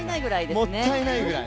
もったいないぐらい。